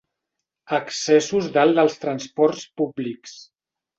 Excessos dalt dels transports públics.